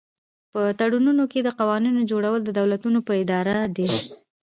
په تړونونو کې د قوانینو جوړول د دولتونو په اراده دي